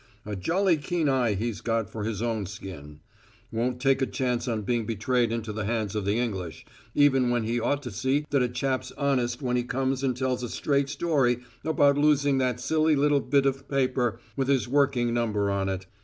A jolly keen eye he's got for his own skin; won't take a chance on being betrayed into the hands of the English, even when he ought to see that a chap's honest when he comes and tells a straight story about losing that silly little bit of paper with his working number on it.